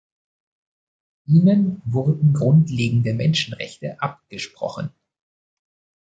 Ihnen wurden grundlegende Menschenrechte abgesprochen.